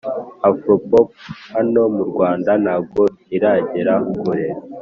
“afro pop” hano mu rwanda ntago iragera kure.